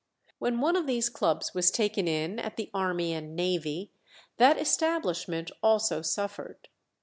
When one of these clubs was taken in at the Army and Navy, that establishment also suffered.